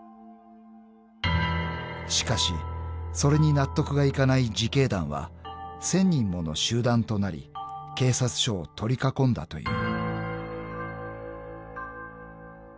［しかしそれに納得がいかない自警団は１，０００人もの集団となり警察署を取り囲んだという］